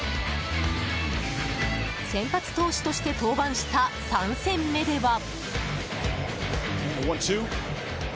先発投手として登板した３戦目では。